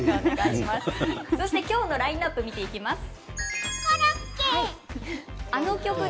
今日のラインナップを見ていきますね。